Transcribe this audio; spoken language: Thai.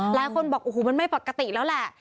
หลายคนบอกโอ้โหมันไม่ปกติแล้วแหละ